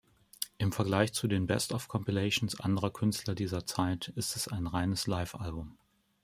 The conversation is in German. Im Vergleich zu den Best-of-Compilations anderer Künstlern dieser Zeit ist es ein reines Live-Album.